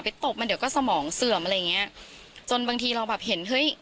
ตบมันเดี๋ยวก็สมองเสื่อมอะไรอย่างเงี้ยจนบางทีเราแบบเห็นเฮ้ย